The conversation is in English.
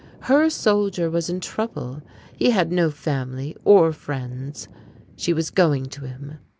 Her soldier was in trouble, he had no family or friends. She was going to him.